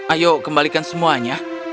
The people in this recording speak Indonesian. ayo kembalikan semuanya